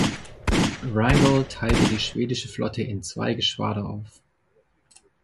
Wrangel teilte die schwedische Flotte in zwei Geschwader auf.